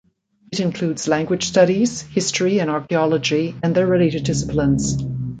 It includes language studies, history and archaeology and their related disciplines.